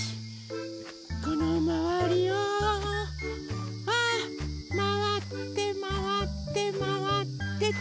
このまわりをまわってまわってまわってと。